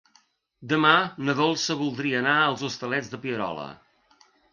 Demà na Dolça voldria anar als Hostalets de Pierola.